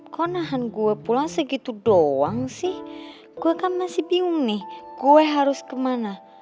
kok nahan gue pulang segitu doang sih gue kan masih bingung nih gue harus kemana